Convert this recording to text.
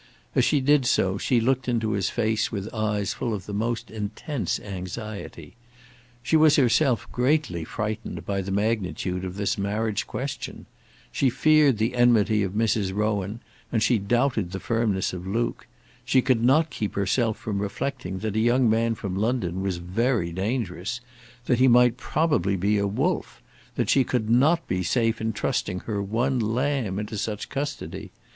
As she did so, she looked into his face with eyes full of the most intense anxiety. She was herself greatly frightened by the magnitude of this marriage question. She feared the enmity of Mrs. Rowan; and she doubted the firmness of Luke. She could not keep herself from reflecting that a young man from London was very dangerous; that he might probably be a wolf; that she could not be safe in trusting her one lamb into such custody.